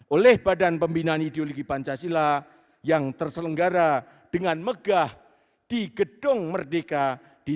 dua ribu dua puluh tiga oleh badan pembinaan ideologi pancasila yang terselenggara dengan megah di gedung merdeka di